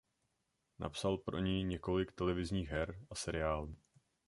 Napsal pro ni několik televizních her a seriálů.